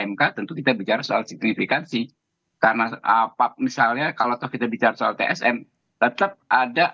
mk tentu kita bicara soal signifikansi karena apa misalnya kalau kita bicara soal tsm tetap ada